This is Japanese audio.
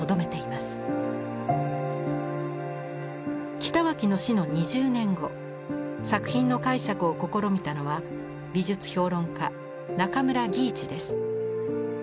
北脇の死の２０年後作品の解釈を試みたのは美術評論家中村義一です。